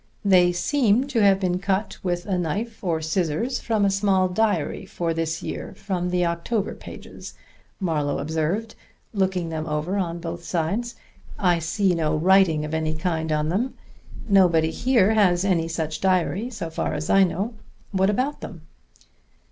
"They seem to have been cut with a knife or scissors from a small diary for this year from the October pages," Marlowe observed, looking them over on both sides. "I see no writing of any kind on them. Nobody here has any such diary so far as I know. What about them?"